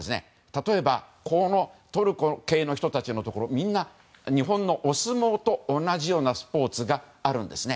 例えばトルコ系の人たちのところには日本のお相撲と同じようなスポーツがあるんです。